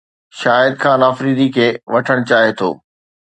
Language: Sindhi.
شاهد خان آفريدي کي وٺڻ چاهي ٿو